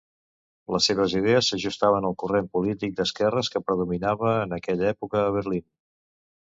Les seves idees s'ajustaven al corrent polític d'esquerres que predominava en aquella època a Berlín.